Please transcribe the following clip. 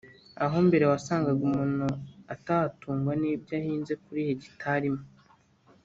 aho mbere wasanga umuntu atatungwa n’ibyo ahinze kuri hegitari imwe